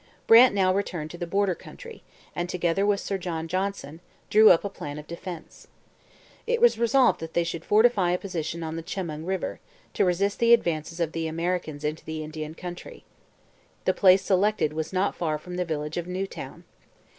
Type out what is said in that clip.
Brant now returned to the border country and, together with Sir John Johnson, drew up a plan of defence. It was resolved that they should fortify a position on the Chemung river, to resist the advance of the Americans into the Indian country. The place selected was not far from the village of Newtown.